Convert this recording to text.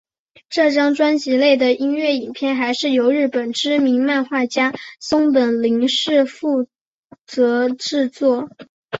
这张专辑内的音乐影片还是由日本知名漫画家松本零士负责制作。